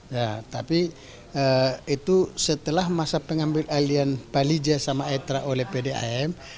ya tapi itu setelah masa pengambilan alian pali jaya sama aetra oleh pam